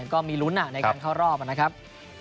ก็มีลุ้นในการเข้ารอบนะครับ